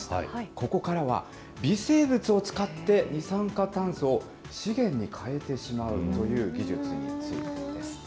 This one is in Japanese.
ここからは、微生物を使って、二酸化炭素を資源に変えてしまうという技術についてです。